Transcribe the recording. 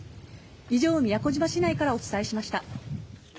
以上宮古島市内からお伝えしました。